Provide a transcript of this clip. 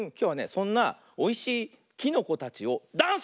そんなおいしいきのこたちをダンスにしてみるよ。